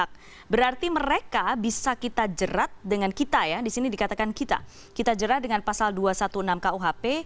kita jerah dengan pasal dua ratus enam belas kuhp